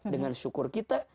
dengan syukur kita